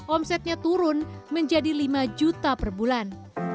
omsetnya turun menjadi lima juta per bulan